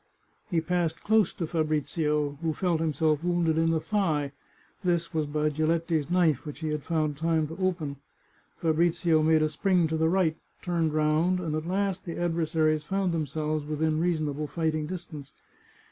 He passed close to Fabrizio, who felt himself wounded in the thigh; this was by Giletti's knife, which he had found time to open. Fabrizio made a spring to the right, turned round, and at last the adversaries found themselves within reasonable fighting distance.